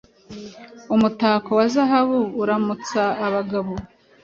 Umutako wa zahabu uramutsa abagabo